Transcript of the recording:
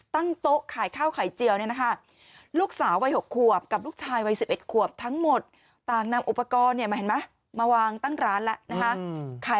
ตั้งโต๊ะขายข้าวรอดคอยเจียวเนี่ยนะคะ